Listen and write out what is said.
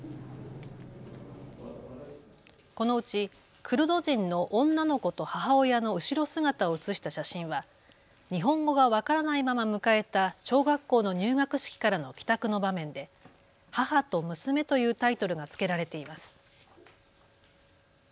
このうちクルド人の女の子と母親の後ろ姿を写した写真は日本語が分からないまま迎えた小学校の入学式からの帰宅の場面で母と娘というタイトルがつけられています。